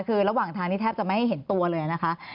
คือระหว่างทางนี้แทบจะไม่ให้เห็นตัวเลยนะคะ